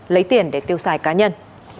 lấy tiền để tiêu xài cá nhân